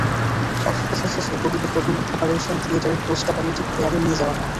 অস্ত্রোপচার শেষে কবিকে প্রথমে অপারেশন থিয়েটারের পোস্ট অপারেটিভ কেয়ারে নিয়ে যাওয়া হয়।